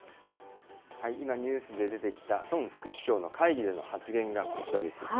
今、ニュースで出てきた孫副首相の会議での発言がこちらです。